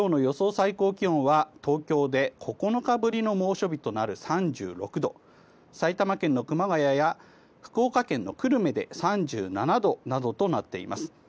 最高気温は東京で９日ぶりの猛暑日となる３６度埼玉県の熊谷や福岡県の久留米で３７度などとなっています。